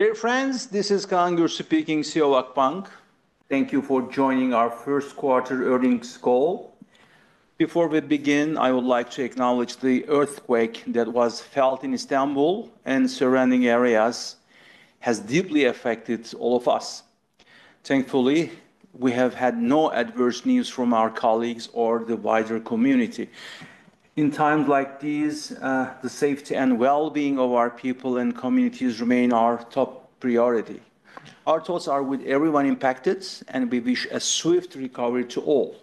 Dear friends, this is Kaan Gür speaking here at Akbank. Thank you for joining our Q1 earnings call. Before we begin, I would like to acknowledge the earthquake that was felt in Istanbul and surrounding areas has deeply affected all of us. Thankfully, we have had no adverse news from our colleagues or the wider community. In times like these, the safety and well-being of our people and communities remain our top priority. Our thoughts are with everyone impacted, and we wish a swift recovery to all.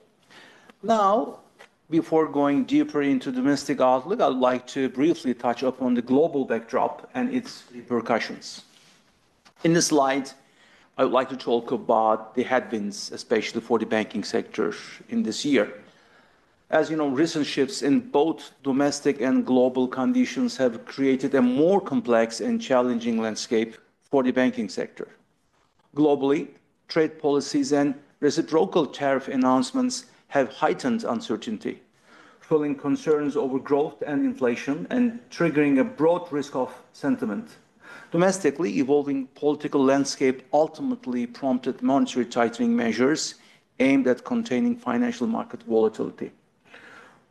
Now, before going deeper into the domestic outlook, I would like to briefly touch upon the global backdrop and its repercussions. In this light, I would like to talk about the headwinds, especially for the banking sector in this year. As you know, recent shifts in both domestic and global conditions have created a more complex and challenging landscape for the banking sector. Globally, trade policies and reciprocal tariff announcements have heightened uncertainty, fueling concerns over growth and inflation and triggering a broad risk of sentiment. Domestically, the evolving political landscape ultimately prompted monetary tightening measures aimed at containing financial market volatility.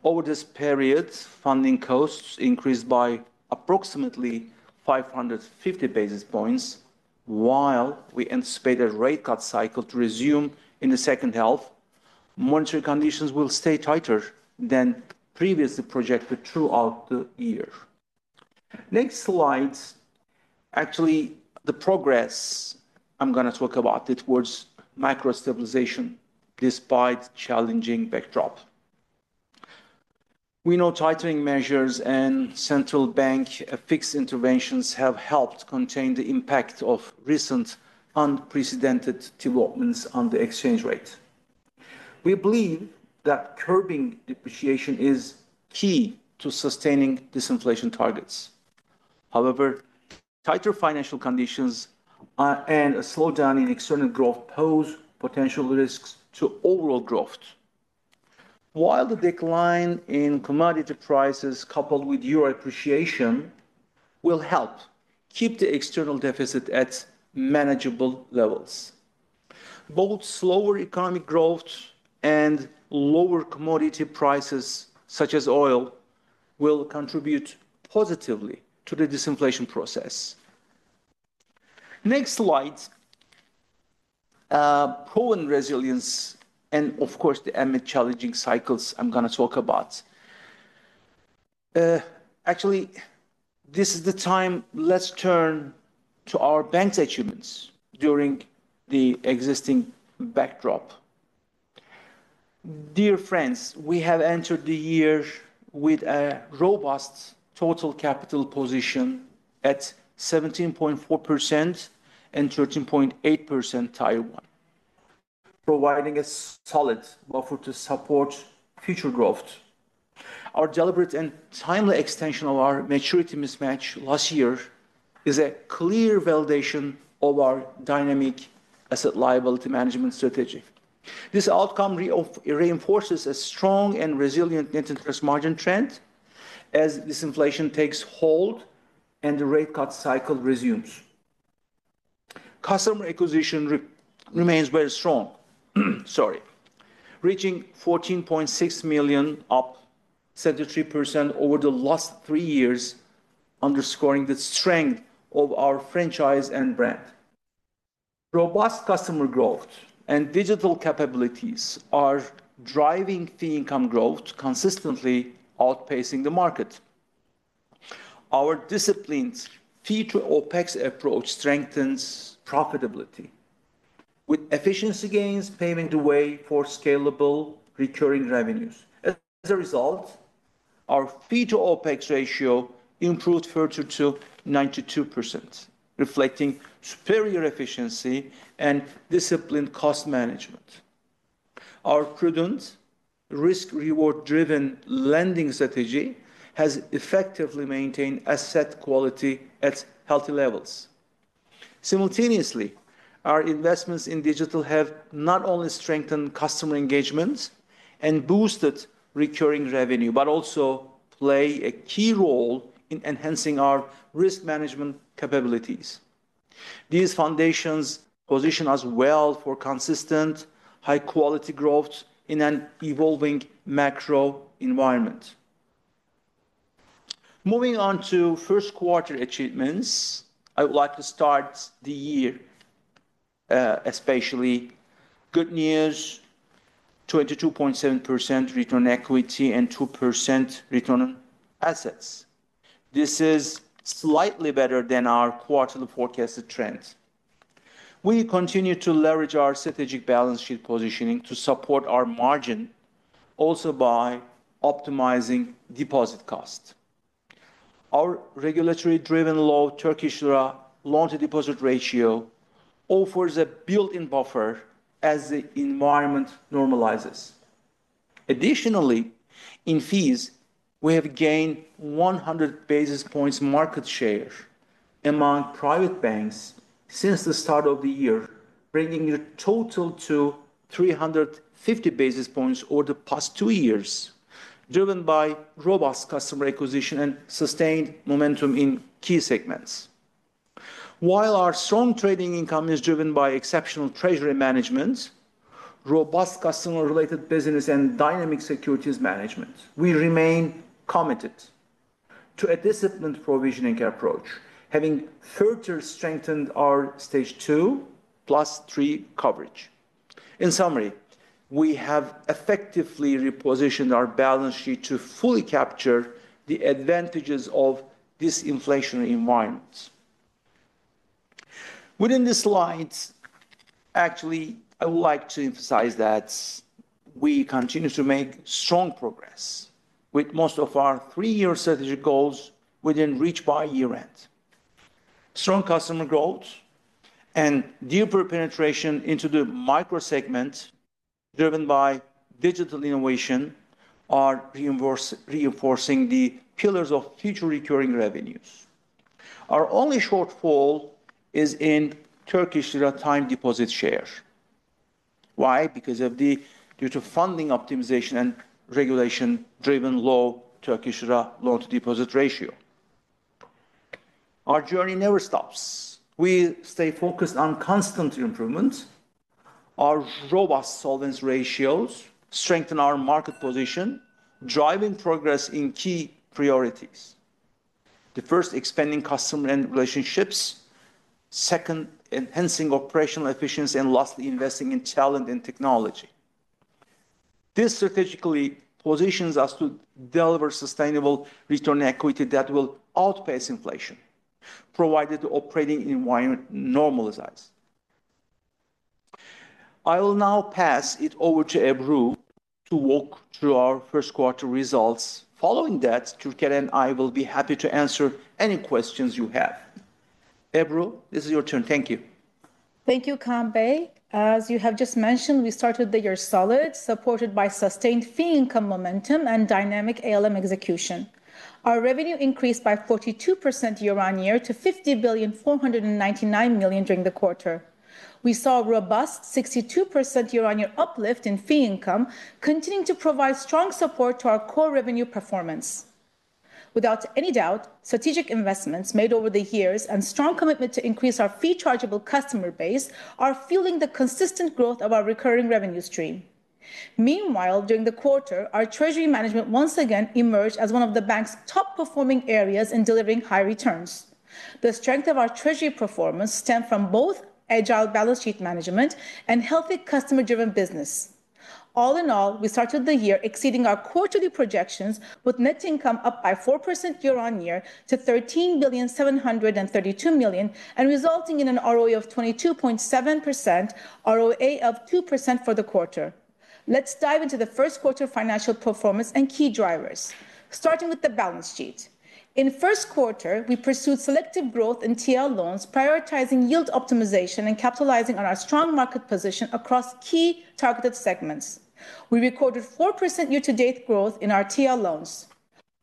Over this period, funding costs increased by approximately 550 basis points. While we anticipate a rate cut cycle to resume in the second half, monetary conditions will stay tighter than previously projected throughout the year. Next slide. Actually, the progress I'm going to talk about towards macro stabilization despite the challenging backdrop. We know tightening measures and Central Bank FX interventions have helped contain the impact of recent unprecedented developments on the exchange rate. We believe that curbing depreciation is key to sustaining disinflation targets. However, tighter financial conditions and a slowdown in external growth pose potential risks to overall growth. While the decline in commodity prices, coupled with euro appreciation, will help keep the external deficit at manageable levels, both slower economic growth and lower commodity prices, such as oil, will contribute positively to the disinflation process. Next slide. Proven resilience and, of course, amid challenging cycles I am going to talk about. Actually, this is the time let's turn to our bank's achievements during the existing backdrop. Dear friends, we have entered the year with a robust total capital position at 17.4% and 13.8% Tier 1, providing a solid buffer to support future growth. Our deliberate and timely extension of our maturity mismatch last year is a clear validation of our dynamic asset liability management strategy. This outcome reinforces a strong and resilient net interest margin trend as disinflation takes hold and the rate cut cycle resumes. Customer acquisition remains very strong, reaching 14.6 million, up 73% over the last three years, underscoring the strength of our franchise and brand. Robust customer growth and digital capabilities are driving the income growth, consistently outpacing the market. Our disciplined fee-to-OPEX approach strengthens profitability, with efficiency gains paving the way for scalable recurring revenues. As a result, our fee-to-OPEX ratio improved further to 92%, reflecting superior efficiency and disciplined cost management. Our prudent, risk-reward driven lending strategy has effectively maintained asset quality at healthy levels. Simultaneously, our investments in digital have not only strengthened customer engagement and boosted recurring revenue, but also play a key role in enhancing our risk management capabilities. These foundations position us well for consistent, high-quality growth in an evolving macro environment. Moving on to Q1 achievements, I would like to start the year especially with good news: 22.7% Return on Equity and 2% Return on Assets. This is slightly better than our quarterly forecasted trend. We continue to leverage our strategic balance sheet positioning to support our margin, also by optimizing deposit cost. Our regulatory-driven low Turkish lira Loan-to-Deposit Ratio offers a built-in buffer as the environment normalizes. Additionally, in fees, we have gained 100 basis points market share among private banks since the start of the year, bringing the total to 350 basis points over the past two years, driven by robust customer acquisition and sustained momentum in key segments. While our strong trading income is driven by exceptional treasury management, robust customer-related business, and dynamic securities management, we remain committed to a disciplined provisioning approach, having further strengthened our Stage 2+3 coverage. In summary, we have effectively repositioned our balance sheet to fully capture the advantages of a disinflationary environment. Within this light, actually, I would like to emphasize that we continue to make strong progress with most of our three-year strategic goals within reach by year-end. Strong customer growth and deeper penetration into the microsegment, driven by digital innovation, are reinforcing the pillars of future recurring revenues. Our only shortfall is in Turkish lira time deposit share. Why? Because of the funding optimization and regulation-driven low Turkish lira Loan-to-Deposit Ratio. Our journey never stops. We stay focused on constant improvement. Our robust solvency ratios strengthen our market position, driving progress in key priorities. The first, expanding customer and relationships. Second, enhancing operational efficiency, and lastly, investing in talent and technology. This strategically positions us to deliver sustainable Return on Equity that will outpace inflation, provided the operating environment normalizes. I will now pass it over to Ebru to walk through our Q1 results. Following that, Türker and I will be happy to answer any questions you have. Ebru, this is your turn. Thank you. Thank you, Kaan Bey. As you have just mentioned, we started the year solid, supported by sustained fee income momentum and dynamic ALM execution. Our revenue increased by 42% year-on-year to 50,499,000,000 during the quarter. We saw a robust 62% year-on-year uplift in fee income, continuing to provide strong support to our core revenue performance. Without any doubt, strategic investments made over the years and strong commitment to increase our fee chargeable customer base are fueling the consistent growth of our recurring revenue stream. Meanwhile, during the quarter, our treasury management once again emerged as one of the bank's top performing areas in delivering high returns. The strength of our treasury performance stemmed from both agile balance sheet management and healthy customer-driven business. All in all, we started the year exceeding our quarterly projections, with net income up by 4% year-on-year to 13,732,000,000 and resulting in an ROE of 22.7%, ROA of 2% for the quarter. Let's dive into the first quarter financial performance and key drivers, starting with the balance sheet. In first quarter, we pursued selective growth in TL loans, prioritizing yield optimization and capitalizing on our strong market position across key targeted segments. We recorded 4% year-to-date growth in our TL loans.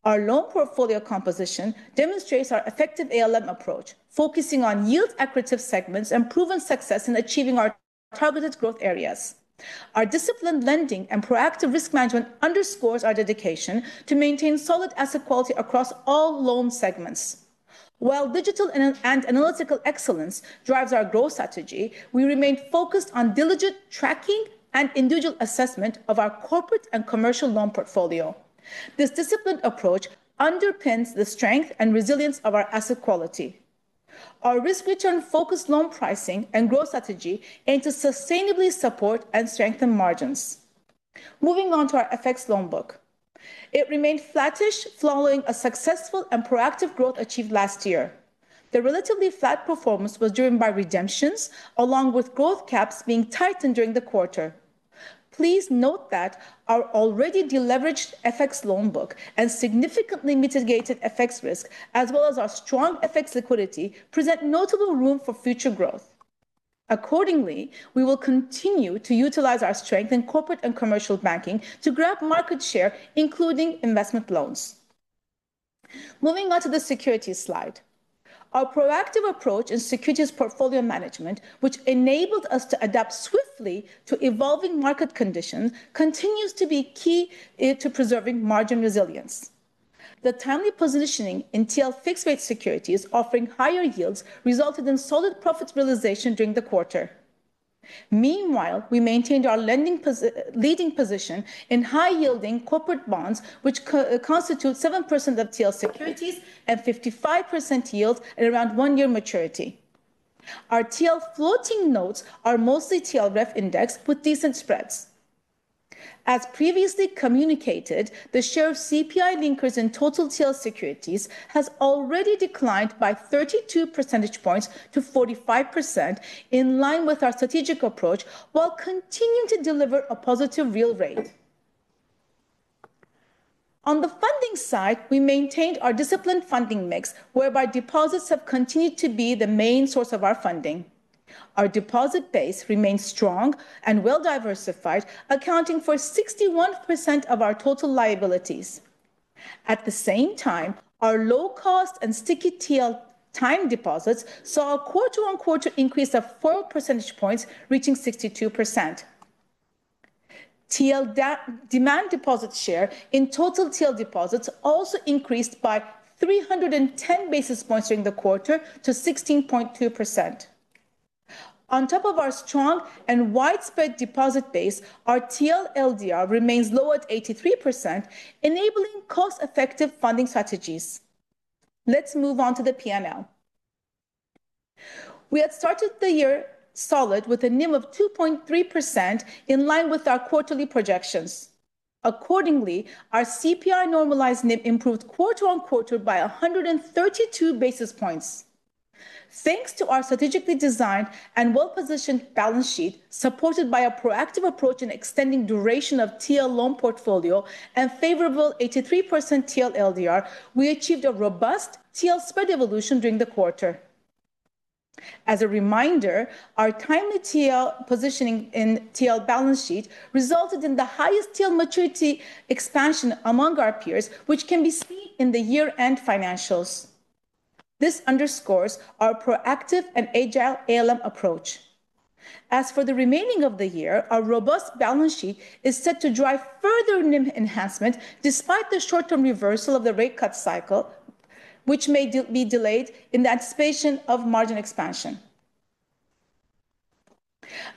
Our loan portfolio composition demonstrates our effective ALM approach, focusing on yield accuracy of segments and proven success in achieving our targeted growth areas. Our disciplined lending and proactive risk management underscores our dedication to maintain solid asset quality across all loan segments. While digital and analytical excellence drives our growth strategy, we remain focused on diligent tracking and individual assessment of our corporate and commercial loan portfolio. This disciplined approach underpins the strength and resilience of our asset quality. Our risk-return focused loan pricing and growth strategy aim to sustainably support and strengthen margins. Moving on to our FX loan book, it remained flattish following a successful and proactive growth achieved last year. The relatively flat performance was driven by redemptions, along with growth caps being tightened during the quarter. Please note that our already deleveraged FX loan book and significantly mitigated FX risk, as well as our strong FX liquidity, present notable room for future growth. Accordingly, we will continue to utilize our strength in corporate and commercial banking to grab market share, including investment loans. Moving on to the securities slide, our proactive approach in securities portfolio management, which enabled us to adapt swiftly to evolving market conditions, continues to be key to preserving margin resilience. The timely positioning in TL fixed-rate securities offering higher yields resulted in solid profit realization during the quarter. Meanwhile, we maintained our leading position in high-yielding corporate bonds, which constitute 7% of TL securities and 55% yield at around one-year maturity. Our TL floating notes are mostly TLREF index with decent spreads. As previously communicated, the share of CPI linkers in total TL securities has already declined by 32 percentage points to 45%, in line with our strategic approach, while continuing to deliver a positive real rate. On the funding side, we maintained our disciplined funding mix, whereby deposits have continued to be the main source of our funding. Our deposit base remains strong and well-diversified, accounting for 61% of our total liabilities. At the same time, our low-cost and sticky TL time deposits saw a quarter-on-quarter increase of 4 percentage points, reaching 62%. TL demand deposit share in total TL deposits also increased by 310 basis points during the quarter to 16.2%. On top of our strong and widespread deposit base, our TL LDR remains low at 83%, enabling cost-effective funding strategies. Let's move on to the P&L. We had started the year solid with a NIM of 2.3%, in line with our quarterly projections. Accordingly, our CPI normalized NIM improved quarter-on-quarter by 132 basis points. Thanks to our strategically designed and well-positioned balance sheet, supported by a proactive approach and extending duration of TL loan portfolio, and favorable 83% TL LDR, we achieved a robust TL spread evolution during the quarter. As a reminder, our timely TL positioning in TL balance sheet resulted in the highest TL maturity expansion among our peers, which can be seen in the year-end financials. This underscores our proactive and agile ALM approach. As for the remaining of the year, our robust balance sheet is set to drive further NIM enhancement despite the short-term reversal of the rate cut cycle, which may be delayed in anticipation of margin expansion.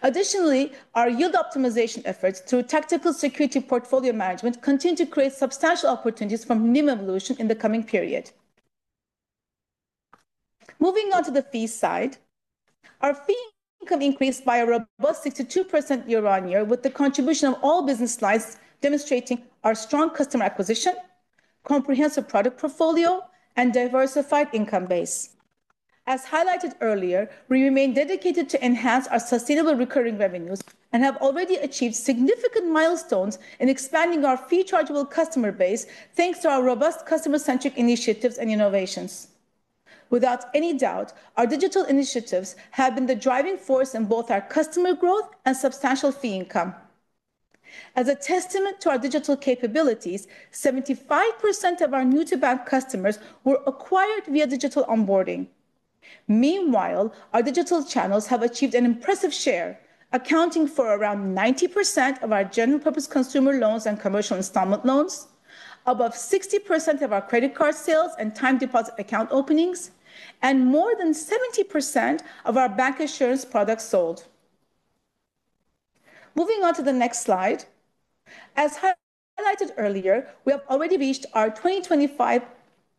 Additionally, our yield optimization efforts through tactical security portfolio management continue to create substantial opportunities for NIM evolution in the coming period. Moving on to the fee side, our fee income increased by a robust 62% year-on-year, with the contribution of all business lines demonstrating our strong customer acquisition, comprehensive product portfolio, and diversified income base. As highlighted earlier, we remain dedicated to enhance our sustainable recurring revenues and have already achieved significant milestones in expanding our fee chargeable customer base, thanks to our robust customer-centric initiatives and innovations. Without any doubt, our digital initiatives have been the driving force in both our customer growth and substantial fee income. As a testament to our digital capabilities, 75% of our new-to-bank customers were acquired via digital onboarding. Meanwhile, our digital channels have achieved an impressive share, accounting for around 90% of our general-purpose consumer loans and commercial installment loans, above 60% of our credit card sales and time deposit account openings, and more than 70% of our bancassurance products sold. Moving on to the next slide. As highlighted earlier, we have already reached our 2025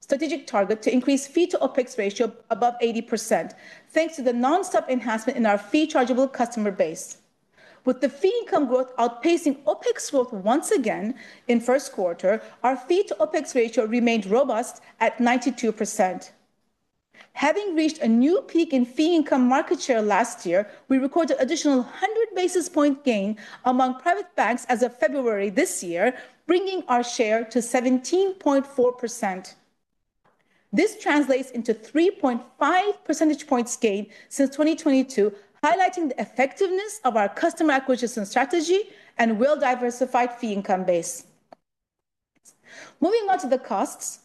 strategic target to increase fee-to-OPEX ratio above 80%, thanks to the nonstop enhancement in our fee chargeable customer base. With the fee income growth outpacing OPEX growth once again in first quarter, our fee-to-OPEX ratio remained robust at 92%. Having reached a new peak in fee income market share last year, we recorded an additional 100 basis point gain among private banks as of February this year, bringing our share to 17.4%. This translates into 3.5 percentage points gain since 2022, highlighting the effectiveness of our customer acquisition strategy and well-diversified fee income base. Moving on to the costs,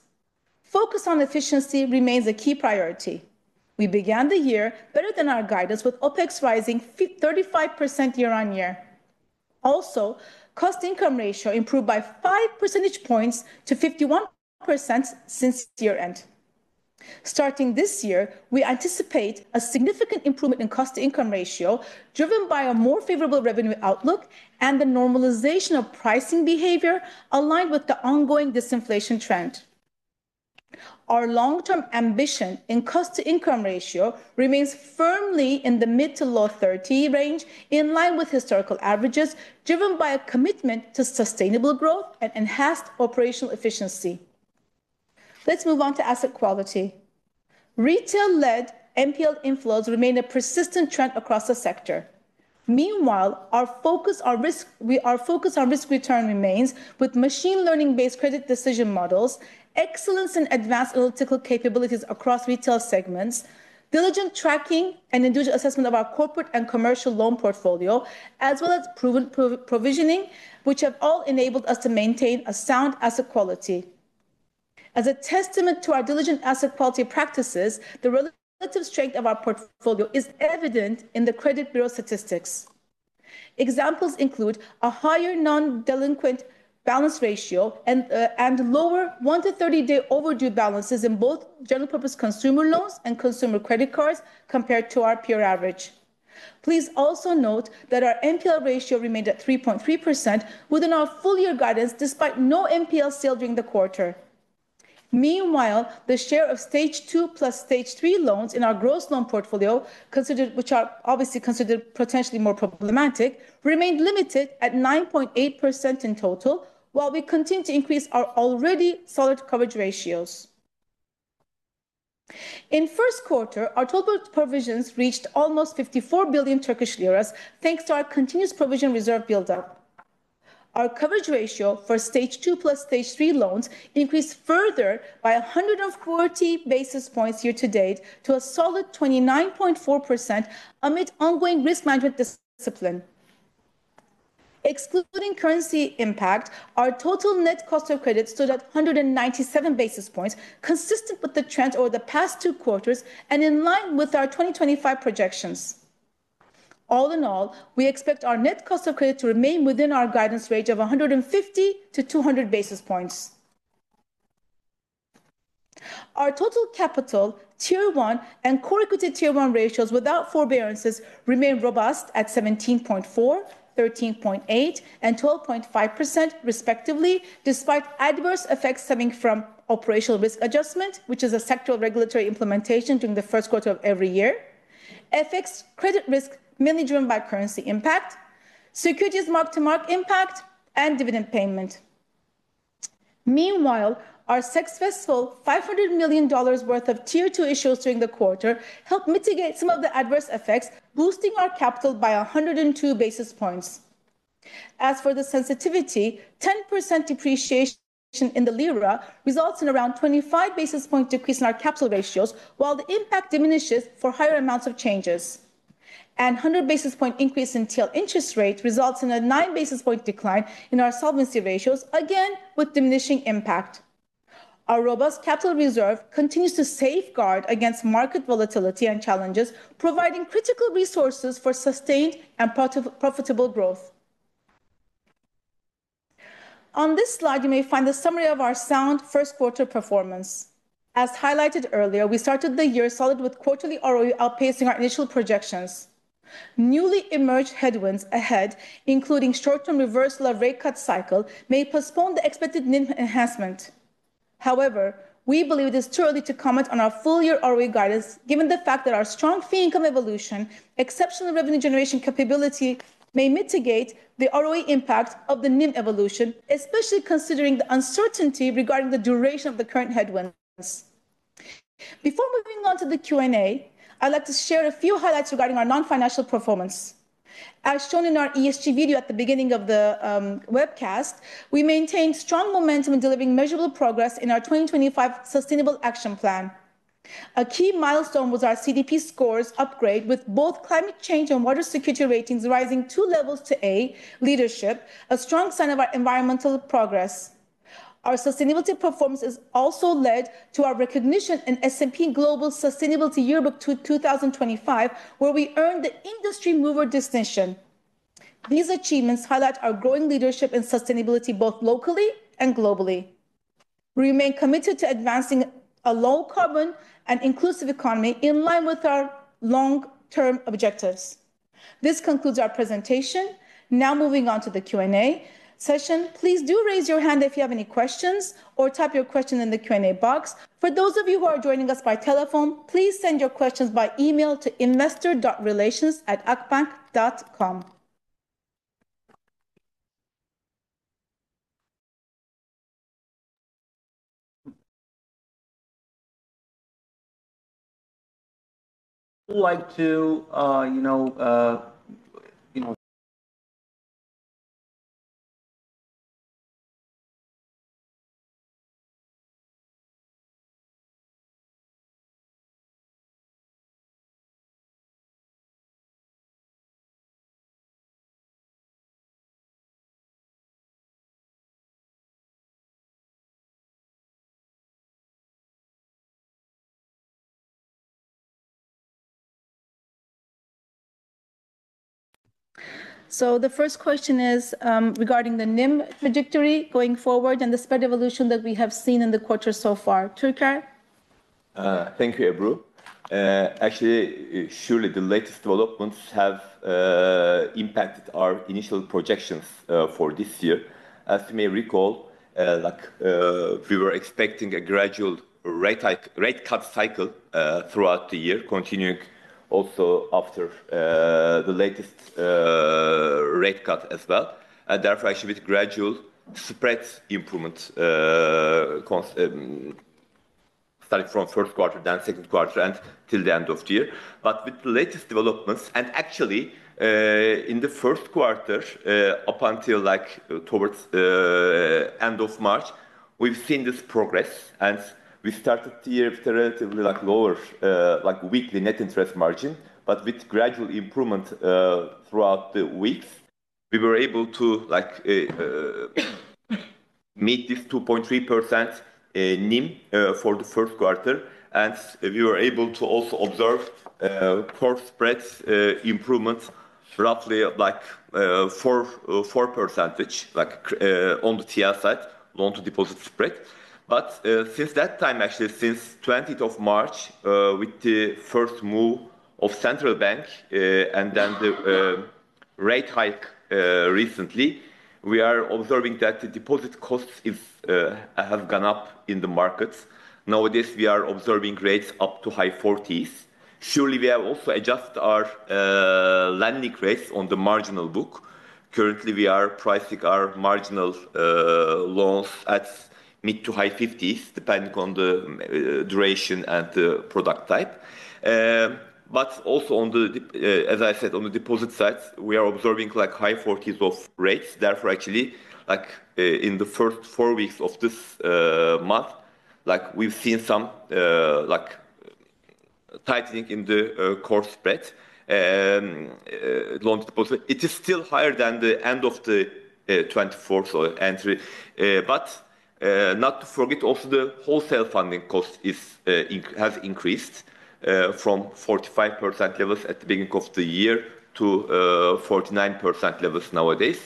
focus on efficiency remains a key priority. We began the year better than our guidance, with OPEX rising 35% year-on-year. Also, cost-to-income ratio improved by 5 percentage points to 51% since year-end. Starting this year, we anticipate a significant improvement in cost-to-income ratio, driven by a more favorable revenue outlook and the normalization of pricing behavior aligned with the ongoing disinflation trend. Our long-term ambition in cost-to-income ratio remains firmly in the mid to low 30% range, in line with historical averages, driven by a commitment to sustainable growth and enhanced operational efficiency. Let's move on to asset quality. Retail-led NPL inflows remain a persistent trend across the sector. Meanwhile, our focus on risk return remains, with machine learning-based credit decision models, excellence in advanced analytical capabilities across retail segments, diligent tracking and individual assessment of our corporate and commercial loan portfolio, as well as proven provisioning, which have all enabled us to maintain a sound asset quality. As a testament to our diligent asset quality practices, the relative strength of our portfolio is evident in the Credit Bureau statistics. Examples include a higher non-delinquent balance ratio and lower 1-30 day overdue balances in both general-purpose consumer loans and consumer credit cards compared to our peer average. Please also note that our NPL ratio remained at 3.3% within our full-year guidance, despite no NPL sale during the quarter. Meanwhile, the share of Stage 2+3 loans in our gross loan portfolio, which are obviously considered potentially more problematic, remained limited at 9.8% in total, while we continue to increase our already solid coverage ratios. In Q1, our total provisions reached almost 54 billion Turkish lira, thanks to our continuous provision reserve build-up. Our coverage ratio for Stage 2+3 loans increased further by 140 basis points year-to-date to a solid 29.4% amid ongoing risk management discipline. Excluding currency impact, our total net cost of credit stood at 197 basis points, consistent with the trend over the past two quarters and in line with our 2025 projections. All in all, we expect our net cost of credit to remain within our guidance range of 150-200 basis points. Our total capital, Tier 1, and Core Equity Tier 1 ratios, without forbearances, remain robust at 17.4%, 13.8%, and 12.5%, respectively, despite adverse effects stemming from operational risk adjustment, which is a sectoral regulatory implementation during the first quarter of every year, FX credit risk mainly driven by currency impact, securities mark-to-mark impact, and dividend payment. Meanwhile, our successful $500 million worth of Tier 2 issues during the quarter helped mitigate some of the adverse effects, boosting our capital by 102 basis points. As for the sensitivity, 10% depreciation in the lira results in around 25 basis point decrease in our capital ratios, while the impact diminishes for higher amounts of changes. A 100 basis point increase in TL interest rate results in a 9 basis point decline in our solvency ratios, again with diminishing impact. Our robust capital reserve continues to safeguard against market volatility and challenges, providing critical resources for sustained and profitable growth. On this slide, you may find the summary of our sound first quarter performance. As highlighted earlier, we started the year solid with quarterly ROE outpacing our initial projections. Newly emerged headwinds ahead, including short-term reversal of rate cut cycle, may postpone the expected NIM enhancement. However, we believe it is too early to comment on our full-year ROE guidance, given the fact that our strong fee income evolution, exceptional revenue generation capability may mitigate the ROE impact of the NIM evolution, especially considering the uncertainty regarding the duration of the current headwinds. Before moving on to the Q&A, I'd like to share a few highlights regarding our non-financial performance. As shown in our ESG video at the beginning of the webcast, we maintain strong momentum in delivering measurable progress in our 2025 sustainable action plan. A key milestone was our CDP scores upgrade, with both climate change and water security ratings rising two levels to A leadership, a strong sign of our environmental progress. Our sustainability performance has also led to our recognition in S&P Global Sustainability Yearbook 2025, where we earned the Industry Mover distinction. These achievements highlight our growing leadership in sustainability both locally and globally. We remain committed to advancing a low-carbon and inclusive economy in line with our long-term objectives. This concludes our presentation. Now, moving on to the Q&A session, please do raise your hand if you have any questions or type your question in the Q&A box. For those of you who are joining us by telephone, please send your questions by email to investor.relations@akbank.com. I'd like to, you know. So the first question is regarding the NIM trajectory going forward and the spread evolution that we have seen in the quarter so far. Türker? Thank you, Ebru. Actually, surely the latest developments have impacted our initial projections for this year. As you may recall, like we were expecting a gradual rate cut cycle throughout the year, continuing also after the latest rate cut as well. Therefore, actually, with gradual spread improvements starting from Q1, then Q2, and till the end of the year. But with the latest developments, and actually in Q1 up until like towards the end of March, we've seen this progress. We started the year with a relatively lower weekly net interest margin, but with gradual improvement throughout the weeks, we were able to meet this 2.3% NIM for the first quarter. We were able to also observe core spreads improvement, roughly like 4% on the TL side, loan-to-deposit spread. Since that time, actually, since 20th of March, with the first move of central bank and then the rate hike recently, we are observing that the deposit costs have gone up in the markets. Nowadays, we are observing rates up to high 40s. Surely, we have also adjusted our lending rates on the marginal book. Currently, we are pricing our marginal loans at mid to high 50s, depending on the duration and the product type. Also, as I said, on the deposit side, we are observing like high 40s of rates. Therefore, actually, like in the first four weeks of this month, like we've seen some tightening in the core spread. Loan-to-deposit, it is still higher than the end of the 2024 entry. Not to forget, also the wholesale funding cost has increased from 45% levels at the beginning of the year to 49% levels nowadays.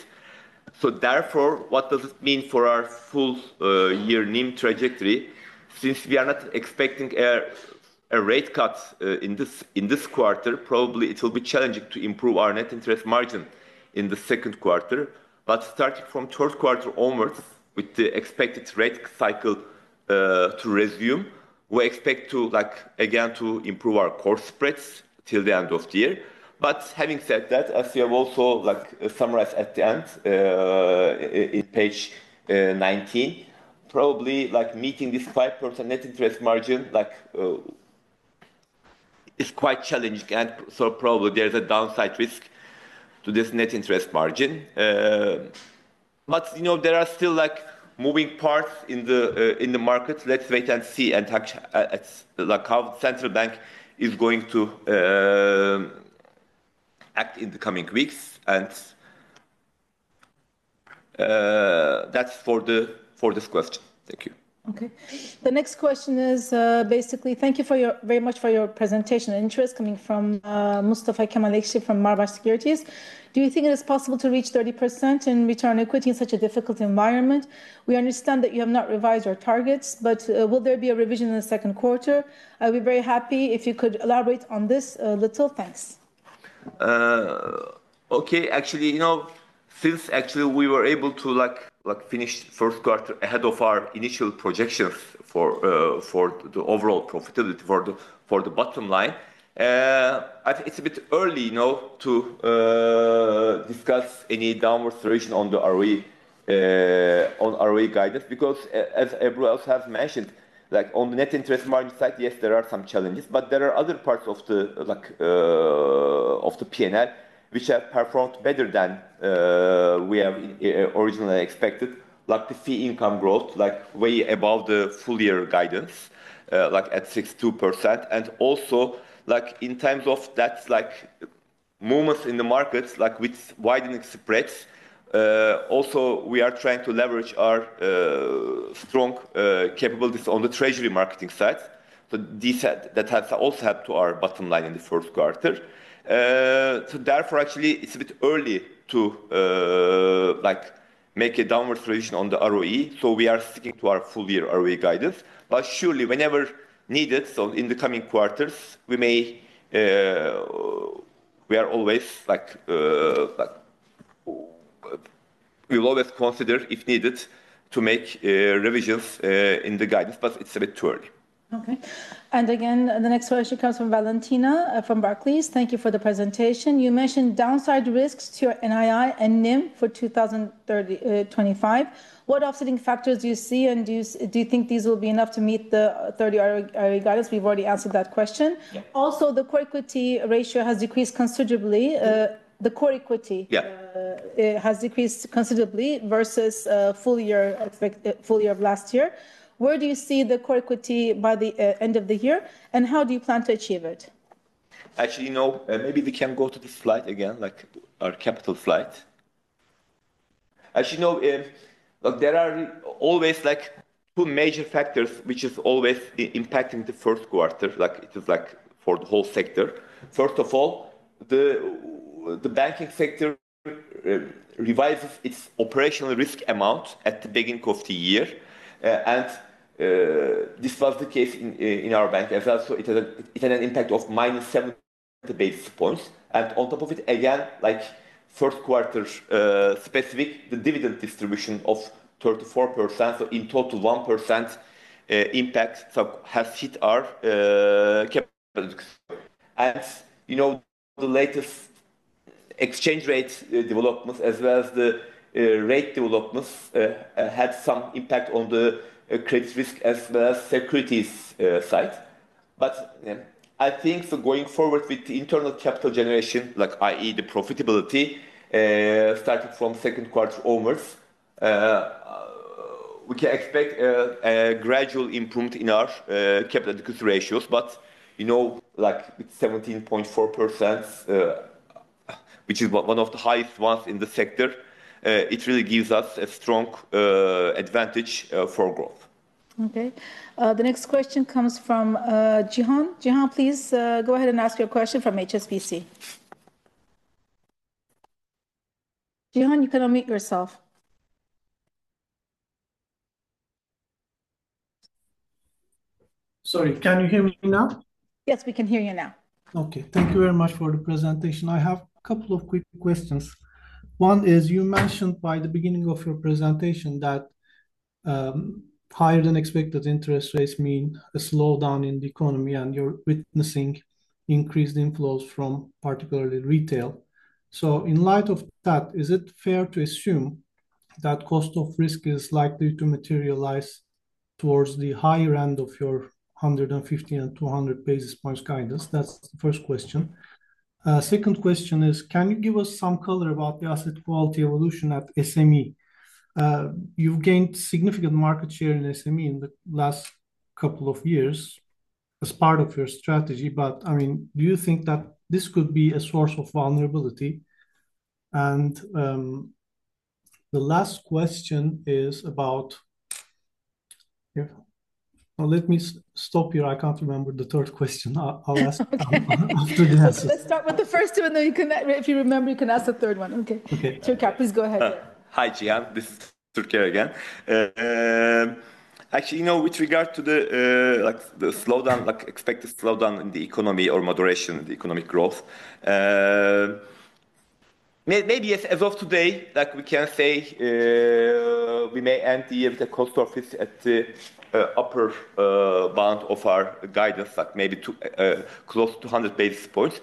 Therefore, what does it mean for our full-year NIM trajectory? Since we are not expecting a rate cut in this quarter, probably it will be challenging to improve our net interest margin in the Q2. Starting from Q3 onwards, with the expected rate cycle to resume, we expect to, like again, to improve our core spreads till the end of the year. Having said that, as we have also summarized at the end in page 19, probably like meeting this 5% net interest margin is quite challenging. There is probably a downside risk to this net interest margin. You know, there are still like moving parts in the market. Let's wait and see how the Central Bank is going to act in the coming weeks. That is for this question. Thank you. Okay. The next question is basically, thank you very much for your presentation and interest coming from Mustafa Kemal Ekşi from Marbaş Securities. Do you think it is possible to reach 30% in Return on Equity in such a difficult environment? We understand that you have not revised your targets, but will there be a revision in the Q2? I'll be very happy if you could elaborate on this a little. Thanks. Okay. Actually, you know since actually we were able to like finish Q1 ahead of our initial projections for the overall profitability for the bottom line, I think it's a bit early, you know, to discuss any downward situation on the ROE guidance because, as Ebru has mentioned, like on the net interest margin side, yes, there are some challenges, but there are other parts of the P&L which have performed better than we originally expected, like the fee income growth, like way above the full-year guidance, like at 62%. Also like in terms of that like movements in the markets, like with widening spreads, also we are trying to leverage our strong capabilities on the treasury marketing side. That has also helped to our bottom line in the Q1. Therefore, actually, it's a bit early to like make a downward revision on the ROE. We are sticking to our full-year ROE guidance. Surely, whenever needed, in the coming quarters, we may, we are always like, we will always consider if needed to make revisions in the guidance, but it's a bit too early. Okay. Again, the next question comes from Valentina from Barclays. Thank you for the presentation. You mentioned downside risks to your NII and NIM for 2025. What offsetting factors do you see and do you think these will be enough to meet the 30% ROE guidance? We've already answered that question. Also, the Core Equity ratio has decreased considerably. The Core Equity Yes. Has decreased considerably versus full year of last year. Where do you see the Core Equity by the end of the year and how do you plan to achieve it? Actually, you know, maybe we can go to the slide again, like our capital slide. Actually, you know, look, there are always like two major factors which are always impacting the Q1, like it is like for the whole sector. First of all, the banking sector revises its operational risk amount at the beginning of the year. This was the case in our bank as well. It had an impact of minus 70 basis points. On top of it, again, like Q1 specific, the dividend distribution of 34%. In total, 1% impact has hit our capital exposure. You know, the latest exchange rate developments as well as the rate developments had some impact on the credit risk as well as securities side. I think going forward with the internal capital generation, like i.e. the profitability starting from second quarter onwards, we can expect a gradual improvement in our capital equity ratios. You know, like with 17.4%, which is one of the highest ones in the sector, it really gives us a strong advantage for growth. Okay. The next question comes from Analyst. Analyst, please go ahead and ask your question from HSBC. Analyst, you can unmute yourself. Sorry, can you hear me now? Yes, we can hear you now. Okay. Thank you very much for the presentation. I have a couple of quick questions. One is you mentioned by the beginning of your presentation that higher than expected interest rates mean a slowdown in the economy and you're witnessing increased inflows from particularly retail. In light of that, is it fair to assume that Cost of Risk is likely to materialize towards the higher end of your 150-200 basis points guidance? That's the first question. Second question is, can you give us some color about the asset quality evolution at SME? You've gained significant market share in SME in the last couple of years as part of your strategy. I mean, do you think that this could be a source of vulnerability? The last question is about, let me stop here. I can't remember the third question. I'll ask after the answer. Let's start with the first two and then if you remember, you can ask the third one. Okay. Okay. Türker, please go ahead. Hi, Analyst. This is Türker again. Actually, you know, with regard to the slowdown, like expected slowdown in the economy or moderation in the economic growth, maybe as of today, like we can say we may end the year with a cost of risk at the upper bound of our guidance, like maybe close to 200 basis points.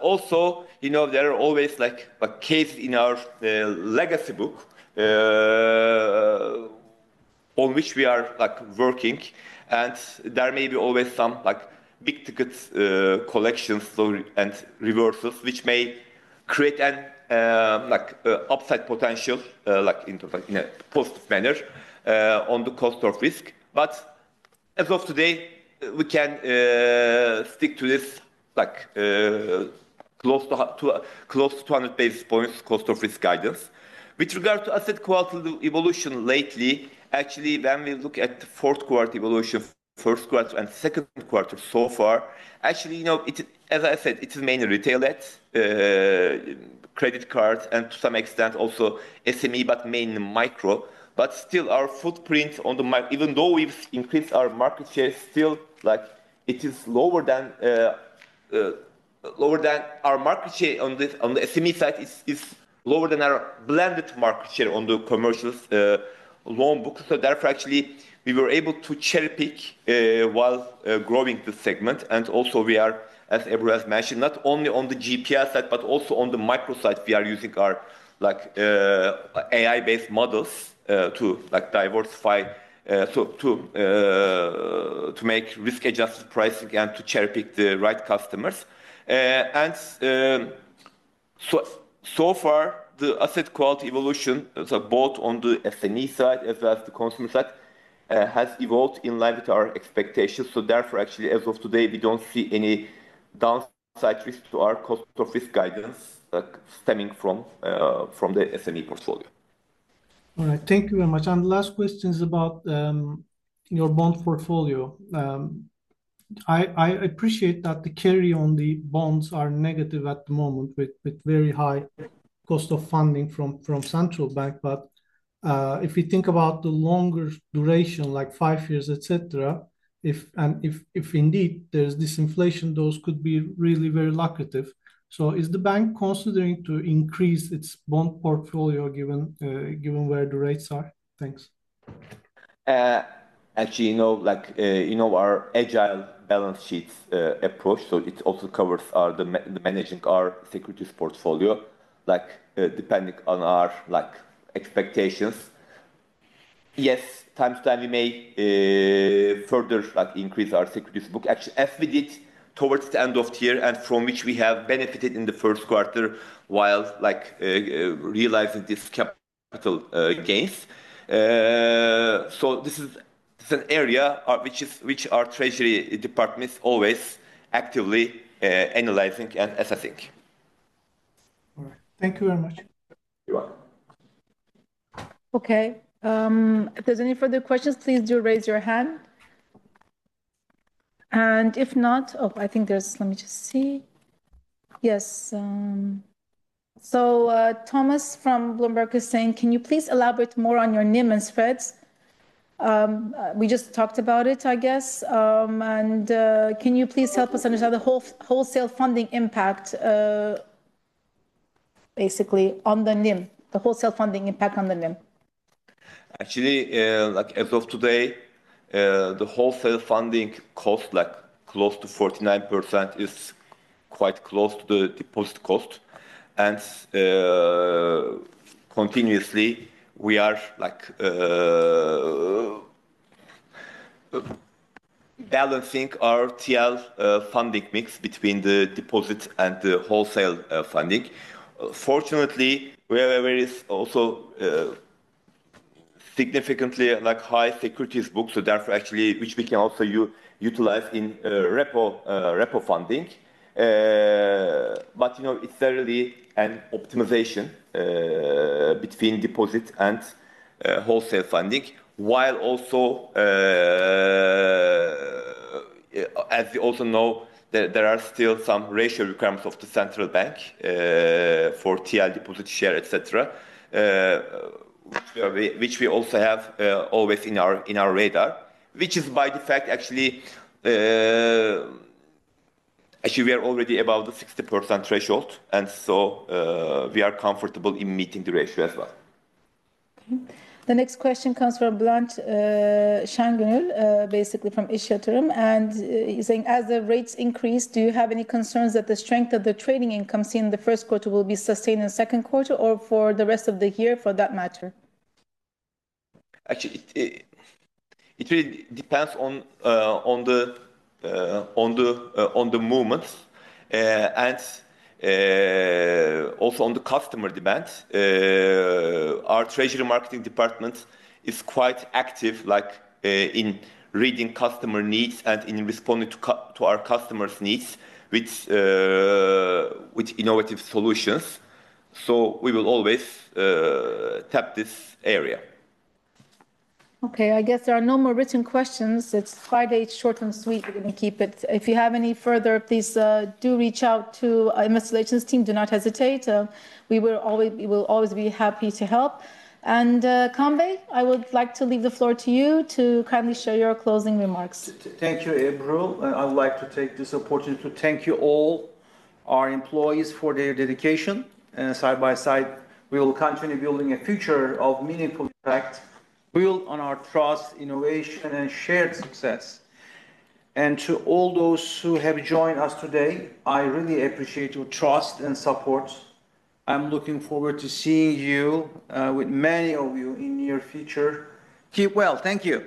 Also, you know, there are always like cases in our legacy book on which we are like working. There may be always some like big ticket collections and reversals which may create an upside potential like in a positive manner on the cost of risk. As of today, we can stick to this like close to 200 basis points Cost of Risk guidance. With regard to asset quality evolution lately, actually, when we look at the Q1 evolution, Q1 and Q2 so far, actually, you know, as I said, it is mainly retail, credit cards, and to some extent also SME, but mainly micro. Still, our footprint on the, even though we've increased our market share, still like it is lower than our market share on the SME side is lower than our blended market share on the commercial loan books. Therefore, actually, we were able to cherry pick while growing the segment. Also, we are, as Ebru has mentioned, not only on the GPC side, but also on the micro side, we are using our like AI-based models to like diversify, to make risk-adjusted pricing and to cherry-pick the right customers. So far, the asset quality evolution, both on the SME side as well as the consumer side, has evolved in line with our expectations. Therefore, actually, as of today, we do not see any downside risk to our Cost of Risk guidance stemming from the SME portfolio. All right. Thank you very much. The last question is about your bond portfolio. I appreciate that the carry on the bonds is negative at the moment with very high cost of funding from Central Bank. If we think about the longer duration, like five years, etc., and if indeed there is disinflation, those could be really very lucrative. Is the bank considering increasing its bond portfolio given where the rates are? Thanks. Actually, you know, like you know our agile balance sheet approach, it also covers managing our securities portfolio, depending on our expectations. Yes, time to time we may further increase our securities book, actually, as we did towards the end of the year and from which we have benefited in the Q1 while like realizing this capital gains. This is an area which our treasury department is always actively analyzing and assessing. All right. Thank you very much. You're welcome. Okay. If there's any further questions, please do raise your hand. If not, oh, I think there's, let me just see. Yes. Thomas from Bloomberg is saying, can you please elaborate more on your NIM and spreads? We just talked about it, I guess. Can you please help us understand the wholesale funding impact basically on the NIM, the wholesale funding impact on the NIM? Actually, like as of today, the wholesale funding cost like close to 49% is quite close to the deposit cost. We are continuously balancing our TL funding mix between the deposit and the wholesale funding. Fortunately, we also have a significantly high securities book, so therefore, we can also utilize it in repo funding. You know, it is really an optimization between deposit and wholesale funding, while also, as we know, there are still some ratio requirements of the Central Bank for TL deposit share, etc., which we always have on our radar. By the fact, we are already above the 60% threshold, and we are comfortable in meeting the ratio as well. The next question comes from Bülent Şengönül from İş Yatırım. He is saying, as the rates increase, do you have any concerns that the strength of the trading income seen in the Q1 will be sustained in the Q2 or for the rest of the year for that matter? Actually, it really depends on the movements and also on the customer demand. Our Treasury Marketing department is quite active like in reading customer needs and in responding to our customers' needs with innovative solutions. We will always tap this area. I guess there are no more written questions. It is Friday, it is short and sweet. We are going to keep it. If you have any further, please do reach out to Investor Relations team. Do not hesitate. We will always be happy to help. Kaan Bey, I would like to leave the floor to you to kindly share your closing remarks. Thank you, Ebru. I would like to take this opportunity to thank you all, our employees, for their dedication. Side by side, we will continue building a future of meaningful impact, built on our trust, innovation, and shared success. To all those who have joined us today, I really appreciate your trust and support. I'm looking forward to seeing you, with many of you, in your future. Keep well. Thank you.